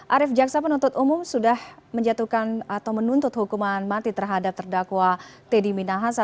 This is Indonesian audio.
arief jaksa penuntut umum sudah menjatuhkan atau menuntut hukuman mati terhadap terdakwa teddy minahasa